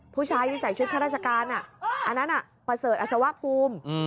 ผู้ชายที่ใส่ชุดข้าราชการอันนั้นประเสริฐอัศวภูมิ